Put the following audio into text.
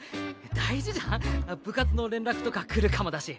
大事じゃん部活の連絡とか来るかもだし。